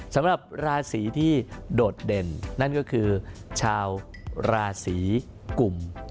สำหรับราศีที่โดดเด่นนั่นก็คือชาวราศีกลุ่ม